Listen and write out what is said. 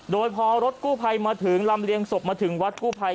โดยพอรถกู้ภัยมาถึงลำเลียงศพมาถึงวัดกู้ภัย